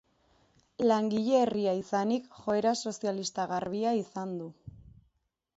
Langile herria izanik joera sozialista garbia izan du.